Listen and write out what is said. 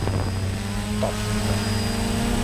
Ṭṭef.